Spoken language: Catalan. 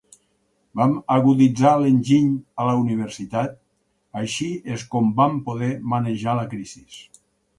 Vam aguditzar l'enginy a la universitat, així és com vam poder manejar la crisis.